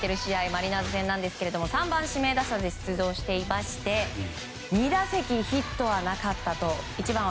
マリナーズ戦ですが３番指名打者で出場していまして２打席ヒットはなかったと。